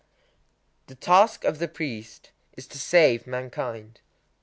_ The task of the priest is to save mankind.